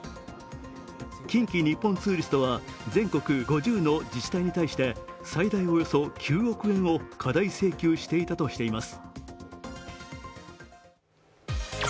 近畿日本ツーリストは全国５０の自治体に対して最大およそ９億円を過大請求していたとしています。